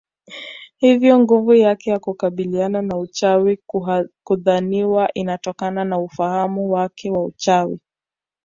Hivyo nguvu yake ya kukabiliana na uchawi hudhaniwa inatokana na ufahamu wake wa uchawi